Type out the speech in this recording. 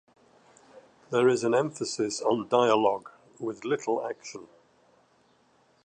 There is an emphasis on dialogue, with little action.